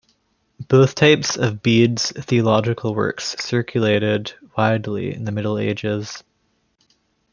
Both types of Bede's theological works circulated widely in the Middle Ages.